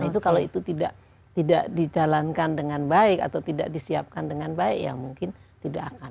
itu kalau itu tidak dijalankan dengan baik atau tidak disiapkan dengan baik ya mungkin tidak akan